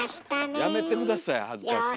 やめて下さい恥ずかしい。